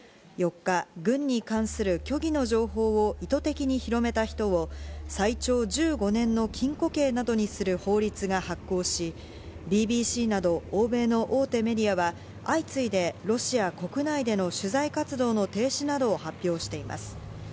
４日、軍に関する虚偽の情報を意図的に広めた人を最長１５年の禁錮刑などにする法律が発効し、ＢＢＣなど欧米の大手メディアは、相次いでロシア国内での取材活動の停止などを発表しています。